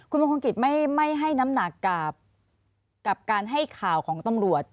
คุณมงคลกิจไม่ให้น้ำหนักกับการให้ข่าวของตำรวจ